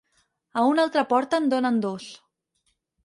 A una altra porta en donen dos!